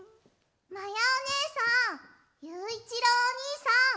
まやおねえさんゆういちろうおにいさん